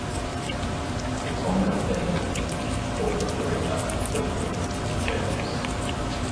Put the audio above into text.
The most prominent being corporate raider Irwin Jacobs.